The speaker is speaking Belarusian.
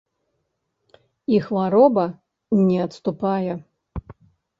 І хвароба не адступае.